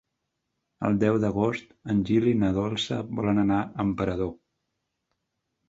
El deu d'agost en Gil i na Dolça volen anar a Emperador.